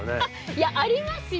いや、ありますよ！